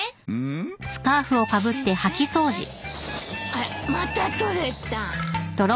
あらまた取れた。